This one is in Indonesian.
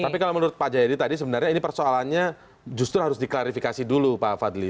tapi kalau menurut pak jayadi tadi sebenarnya ini persoalannya justru harus diklarifikasi dulu pak fadli